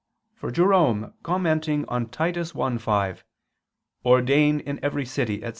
For Jerome commenting on Titus 1:5, "Ordain ... in every city," etc.